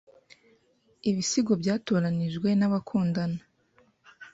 Ibisigo byatoranijwe nabakundana